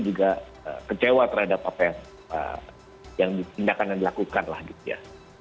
juga kecewa terhadap apa yang dilakukan lah gitu ya